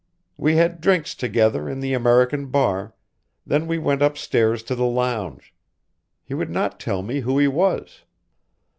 We had drinks together in the American bar, then we went upstairs to the lounge. He would not tell me who he was.